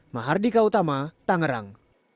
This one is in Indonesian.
mahardika utama tangerang